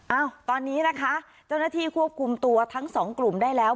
เอ้าตอนนี้นะคะเจ้าหน้าที่ควบคุมตัวทั้งสองกลุ่มได้แล้ว